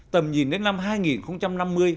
tầm nhìn đến năm hai nghìn năm mươi